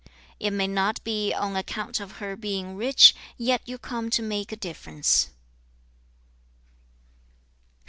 3. '"It may not be on account of her being rich, yet you come to make a difference."'